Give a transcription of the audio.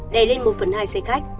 đè lên một phần hai xe khách